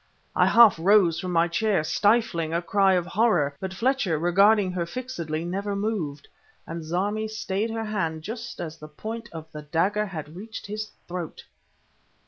I half rose from my chair, stifling a cry of horror; but Fletcher, regarding her fixedly, never moved ... and Zarmi stayed her hand just as the point of the dagger had reached his throat!